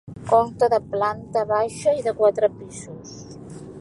Consta de planta baixa i de quatre pisos.